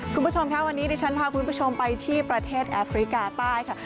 คุณผู้ชมค่ะวันนี้ดิฉันพาคุณผู้ชมไปที่ประเทศแอฟริกาใต้ค่ะ